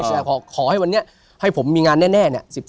ใช่ขอให้วันนี้ให้ผมมีงานแน่เนี่ย